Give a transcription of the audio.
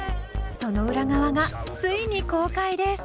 その裏側がついに公開です。